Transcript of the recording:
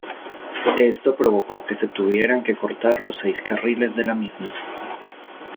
Esto provocó que se tuvieran que cortar los seis carriles de la misma.